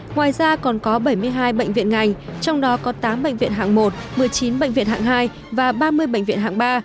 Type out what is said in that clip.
ngoài ra còn có bảy mươi hai bệnh viện ngành trong đó có tám bệnh viện hạng một một mươi chín bệnh viện hạng hai và ba mươi bệnh viện hạng ba